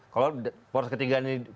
kalau poros ketiganya